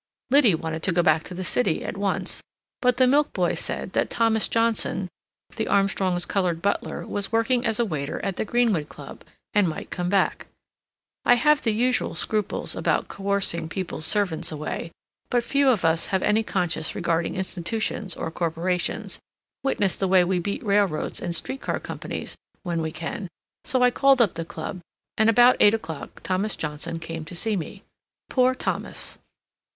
Liddy wanted to go back to the city at once, but the milk boy said that Thomas Johnson, the Armstrongs' colored butler, was working as a waiter at the Greenwood Club, and might come back. I have the usual scruples about coercing people's servants away, but few of us have any conscience regarding institutions or corporations—witness the way we beat railroads and street car companies when we can—so I called up the club, and about eight o'clock Thomas Johnson came to see me. Poor Thomas!